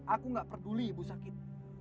aku gak peduli ibu sakit